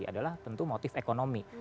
adalah tentu motif ekonomi